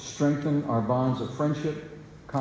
untuk meningkatkan bond kita